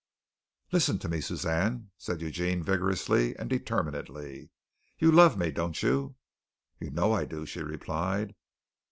"Listen to me, Suzanne," said Eugene vigorously and determinedly. "You love me, don't you?" "You know I do," she replied.